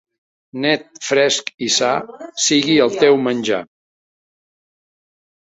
Net, fresc i sa, sigui el teu menjar.